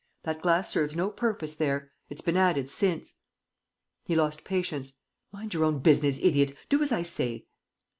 . That glass serves no purpose there ... it's been added since!" He lost patience. "Mind your own business, idiot! ... Do as I say!